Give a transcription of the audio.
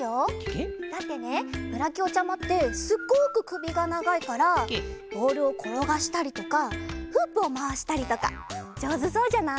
ケケ？だってねブラキオちゃまってすっごくくびがながいからボールをころがしたりとかフープをまわしたりとかじょうずそうじゃない？